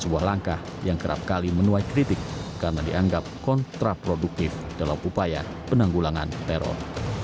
sebuah langkah yang kerap kali menuai kritik karena dianggap kontraproduktif dalam upaya penanggulangan teror